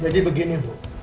jadi begini bu